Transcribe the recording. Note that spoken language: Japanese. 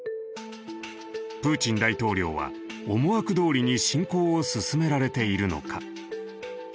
プーチン大統領は思惑通りに侵攻を進められているのか。